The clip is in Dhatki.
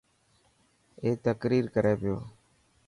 اي تقرير ڪري پيو.